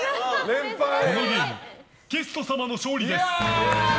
このゲームゲスト様の勝利です。